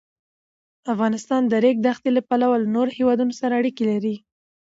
افغانستان د د ریګ دښتې له پلوه له نورو هېوادونو سره اړیکې لري.